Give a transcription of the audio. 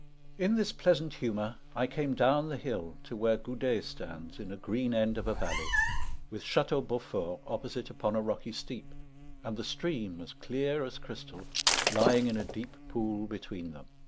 In this pleasant humour I came down the hill to where Goudet stands in a green end of a valley, with Château Beaufort opposite upon a rocky steep, and the stream, as clear as crystal, lying in a deep pool between them.